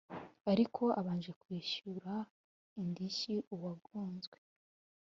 ariko abanje kwishyura indishyi uwagonzwe